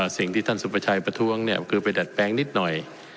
สิ่งที่ท่านสุประชัยประท้วงเนี่ยคือไปดัดแปลงนิดหน่อย